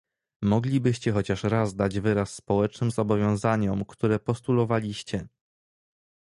Moglibyście chociaż raz dać wyraz społecznym zobowiązaniom, które postulowaliście